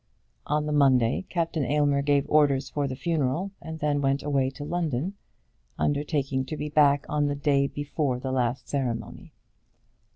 On the Monday Captain Aylmer gave orders for the funeral, and then went away to London, undertaking to be back on the day before the last ceremony.